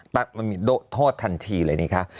มันมีโทษทันทีเลยนี่ค่ะ